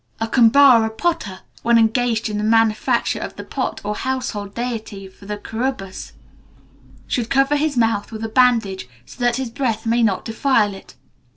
A Kumbara potter, when engaged in the manufacture of the pot or household deity for the Kurubas, should cover his mouth with a bandage, so that his breath may not defile it.